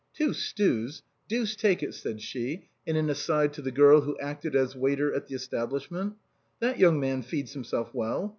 " Two stews ! Deuce take it !" said she, in an aside to the girl who acted as waiter at the establishment; "that young man feeds himself well.